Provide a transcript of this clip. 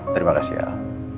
terima kasih al